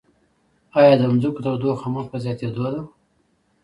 ایا د ځمکې تودوخه مخ په زیاتیدو ده؟